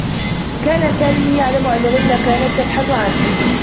كان سامي يعلم أنّ ليلى كانت تبحث عنه.